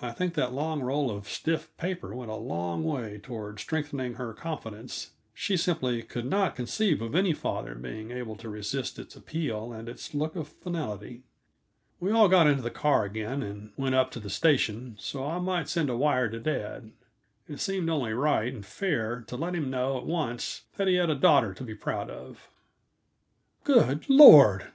I think that long roll of stiff paper went a long way toward strengthening her confidence; she simply could not conceive of any father being able to resist its appeal and its look of finality. We all got into the car again, and went up to the station, so I might send a wire to dad. It seemed only right and fair to let him know at once that he had a daughter to be proud of. "Good Lord!"